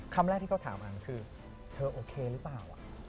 คำแรกที่เขาถามอันคือเธอโอเคหรือเปล่า